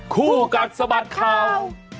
คู่กัดสะบัดข่าว